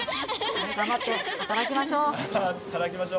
頑張って働きましょう。